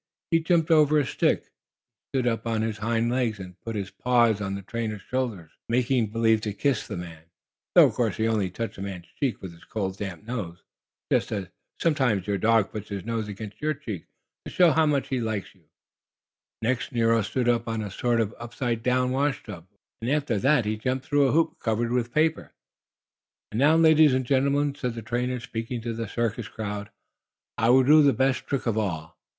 He jumped over a stick; he stood up on his hind legs and, putting his paws on the trainer's shoulders, made believe to kiss the man, though of course he only touched the man's cheek with his cold, damp nose, just as, sometimes, your dog puts his nose against your cheek to show how much he likes you; next Nero stood up on a sort of upside down washtub, or pedestal; and after that he jumped through a hoop covered with paper. "And now, ladies and gentlemen," said the trainer, speaking to the circus crowd, "I will do the best trick of all.